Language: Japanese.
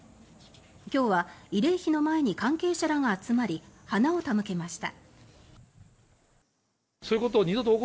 今日は慰霊碑の前に関係者らが集まり花を手向けました。